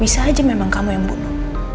bisa aja memang kamu yang bunuh